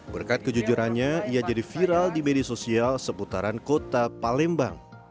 berkat kejujurannya ia jadi viral di media sosial seputaran kota palembang